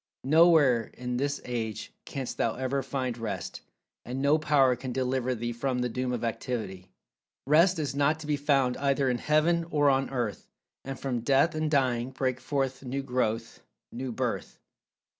"Nowhere in this age canst thou ever find rest, and no power can deliver thee from the doom of Activity. "Rest is not to be found either in heaven or on earth, and from death and dying break forth new growth,—new birth.